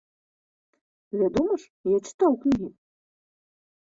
Вядома ж, я чытаў кнігі!